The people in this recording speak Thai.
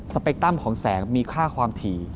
เปคตั้มของแสงมีค่าความถี่